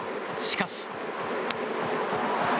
しかし。